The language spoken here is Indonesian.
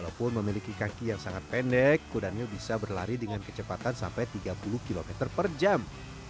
walaupun memiliki kaki yang sangat pendek kudanil bisa berlari dengan kecepatan sampai tiga puluh km per jam